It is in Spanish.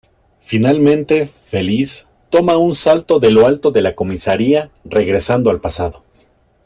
Finalmente, feliz, toma un salto de lo alto de la comisaría, regresando al pasado.